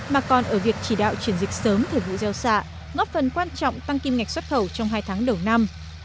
mà còn ở việc chỉ đạo chuyển dịch sớm thời vụ gieo xạ ngóp phần quan trọng tăng kim ngạch xuất khẩu trong hai tháng đầu năm